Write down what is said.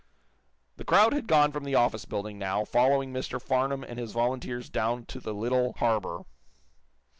'" The crowd had gone from the office building, now, following Mr. Farnum and his volunteers down to the little harbor.